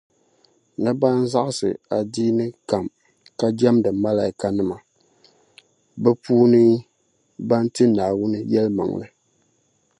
ni ban zaɣisi adiini kam ka jεmdi Malaaikanima, bɛ puuni ban ti Naawuni yεlimaŋli